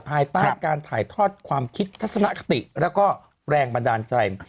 ภายใต้การถ่ายทอดความคิดทัศนคติแล้วก็แรงบันดาลใจ